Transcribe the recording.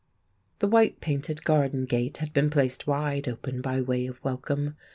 The white painted garden gate had been placed wide open by way of welcome.